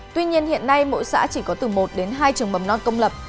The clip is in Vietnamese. tuy nhiên hiện nay mỗi xã chỉ có từ một đến hai trường mầm non công lập